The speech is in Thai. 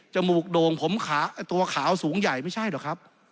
มูกโด่งผมตัวขาวสูงใหญ่ไม่ใช่หรอกครับ